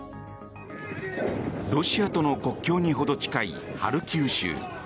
ロシアとの国境に程近いハルキウ州。